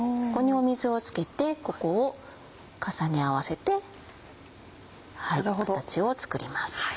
ここに水をつけてここを重ね合わせて形を作ります。